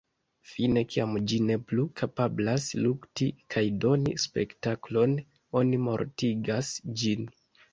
Fine kiam ĝi ne plu kapablas lukti, kaj "doni spektaklon", oni mortigas ĝin.